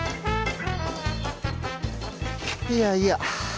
いやいや。